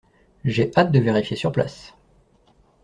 J’ai hâte de vérifier sur place.